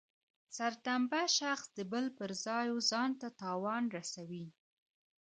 سرټنبه شخص د بل پر ځای و ځانته تاوان رسوي.